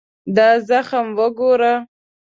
دا زخم وګوره.